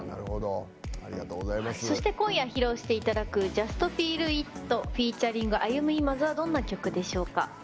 そして今夜、披露していただく「ＪｕｓｔＦｅｅｌＩｔｆｅａｔ．ＡｙｕｍｕＩｍａｚｕ」はどんな曲でしょうか？